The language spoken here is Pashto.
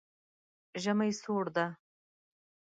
ژمی سوړ ده